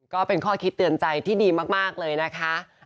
ก็เป็นข้อคิดเตือนใจที่ดีมากเลยนะคะ